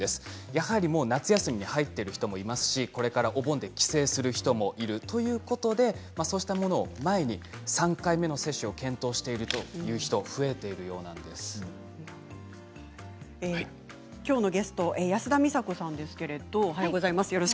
やはり夏休みに入っている人もいますし、これからお盆で帰省する人もいるということでそれを前に３回目の接種を検討しているという人がきょうのゲスト安田美沙子さんです。